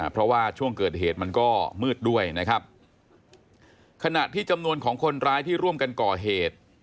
เพราะว่าช่วงเกิดเหตุมันก็มืดด้วยนะครับขณะที่จำนวนของคนร้ายที่ร่วมกันก่อเหตุ